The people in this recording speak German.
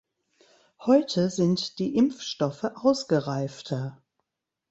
Heute sind die Impfstoffe ausgereifter.